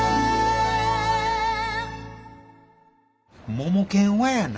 モモケンはやな。